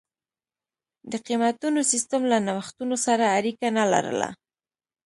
د قېمتونو سیستم له نوښتونو سره اړیکه نه لرله.